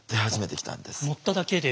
乗っただけで？